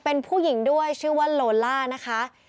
เป็นผู้หญิงด้วยชื่อว่าโลล่านะคะ